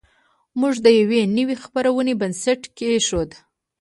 موږ د یوې نوې خپرونې بنسټ کېښود